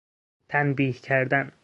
تنبیه کردن